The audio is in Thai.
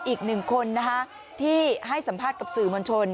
อีกหนึ่งคนที่ให้สัมภาษณ์กับสื่อมวลชน